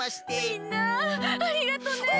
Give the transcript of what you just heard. みんなありがとね。